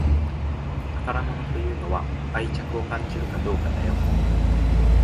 宝物というのは愛着を感じるかどうかだよ